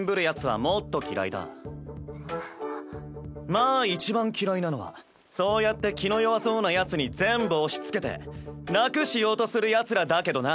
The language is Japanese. まあいちばん嫌いなのはそうやって気の弱そうなヤツに全部押しつけて楽しようとするヤツらだけどな。